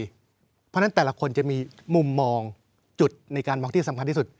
เพราะฉะนั้นแต่ละคนจะมีมุมมองจุดในการมองที่สำคัญที่สุด